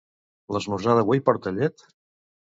L'esmorzar d'avui porta llet?